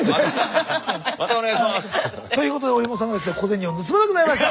またお願いします！ということで折茂さんがですね小銭を盗まなくなりました。